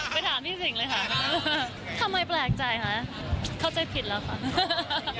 ไปถามพี่สิงเลยค่ะทำไมแปลกใจคะเข้าใจผิดแล้วค่ะ